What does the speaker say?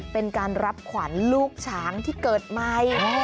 เป็นการรับขวัญลูกช้างที่เกิดใหม่